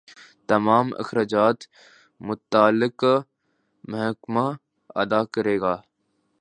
تمام اخراجات متعلقہ محکمہ ادا کرے گا۔